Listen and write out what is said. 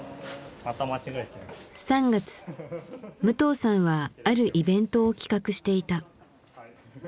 ３月武藤さんはあるイベントを企画していた。